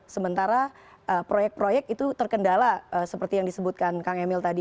sementara proyek proyek itu terkendala seperti yang disebutkan kang emil tadi